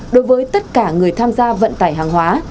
đối với tất cả người tham gia vận tải hàng hóa